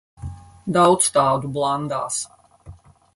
Daudz tādu blandās.